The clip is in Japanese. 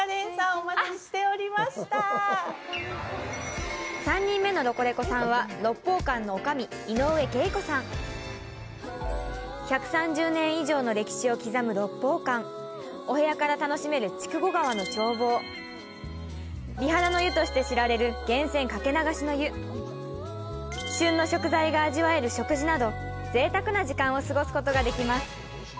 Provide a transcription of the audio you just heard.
お待ちしておりました３人目のロコレコさんは１３０年以上の歴史を刻む六峰舘お部屋から楽しめる筑後川の眺望美肌の湯として知られる源泉かけ流しの湯旬の食材が味わえる食事などぜいたくな時間を過ごすことができます